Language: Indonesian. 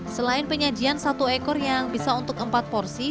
selain penyajian satu ekor yang bisa untuk empat porsi